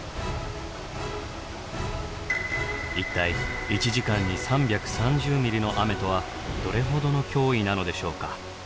一体１時間に３３０ｍｍの雨とはどれほどの脅威なのでしょうか？